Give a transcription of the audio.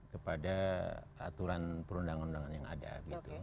kepada aturan perundangan perundangan yang ada gitu